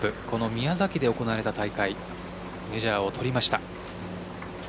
この宮崎で行われた大会でメジャーを取りました。